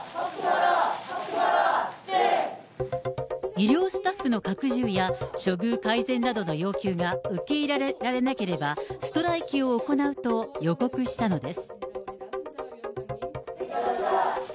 医療スタッフの拡充や処遇改善などの要求が受け入れられなければ、ストライキを行うと予告したのです。